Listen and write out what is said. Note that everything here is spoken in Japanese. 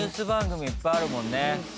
番組いっぱいあるもんね。